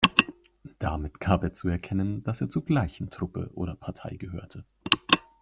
Damit gab er zu erkennen, dass er zur gleichen Truppe oder Partei gehörte.